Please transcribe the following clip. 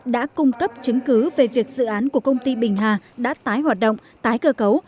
đã cung cấp chứng cứ về việc dự án của công ty bình hà đã tái hoạt động tái cơ cấu